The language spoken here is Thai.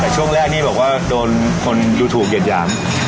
ช่วงแรกนี่บอกว่าโดนทุกคนหยุดย้าม